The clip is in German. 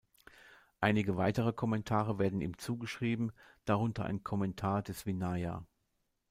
Einige weitere Kommentare werden ihm zugeschrieben, darunter ein Kommentar des Vinaya.